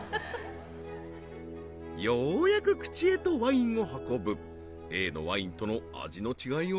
ようやく口へとワインを運ぶＡのワインとの味の違いは？